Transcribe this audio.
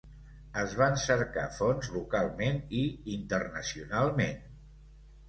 Es van cercar fons localment i internacionalment.